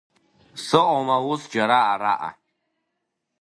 Сыҟоума ус џьара араҟа?